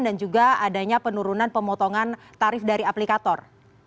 dan juga adanya penurunan pemotongan tarif dari aplikator